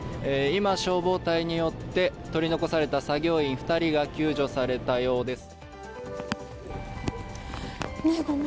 今、消防隊によって取り残された作業員２人が救助されたようです。